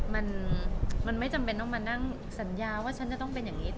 มันมันไม่จำเป็นต้องมานั่งสัญญาว่าฉันจะต้องเป็นอย่างนี้